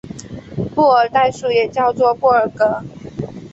布尔代数也叫做布尔格。